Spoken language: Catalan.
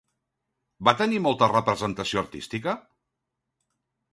Va tenir molta representació artística?